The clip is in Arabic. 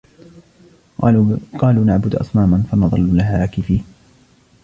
قَالُوا نَعْبُدُ أَصْنَامًا فَنَظَلُّ لَهَا عَاكِفِينَ